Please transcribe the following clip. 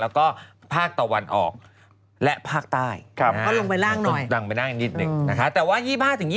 และภาคตะวันออกและภาคใต้